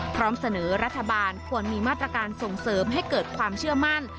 พร้อมเสนอรัฐบาลควรมีมาตรการส่งเสริมให้เกิดความเชื่อมั่น